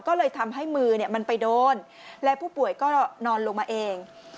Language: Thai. ก็เลยทำให้มือมันไปโดนและผู้ป่วยก็นอนลงมาเอง